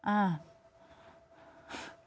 อ่า